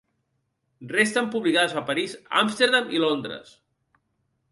Resten publicades a París, Amsterdam i Londres.